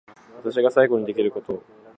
私が最後にできること